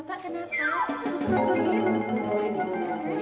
pak bapak kenapa